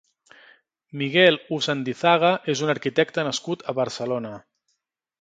Miguel Usandizaga és un arquitecte nascut a Barcelona.